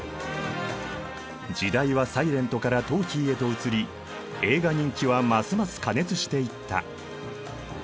時代はサイレントからトーキーへと移り映画人気はますます過熱していった。